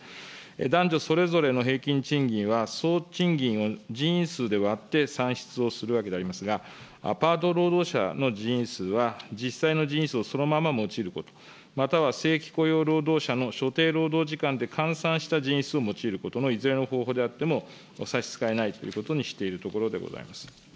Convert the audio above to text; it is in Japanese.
男女それぞれの平均賃金は、総賃金を人員数で割って算出をするわけでありますが、パート労働者の人員数は実際の人員数をそのまま用いること、または正規雇用労働者の所定労働時間で換算した人数を用いることのいずれの方法であっても、差支えないということにしているとこ